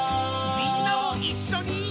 「みんなもいっしょに」